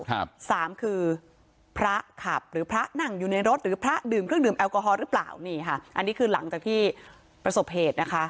สามคือพระขับหรือพระนั่งอยู่ในรถหรือพระดื่มเครื่องดื่มแอลกอฮอลหรือเปล่านี่ค่ะอันนี้คือหลังจากที่ประสบเหตุนะคะ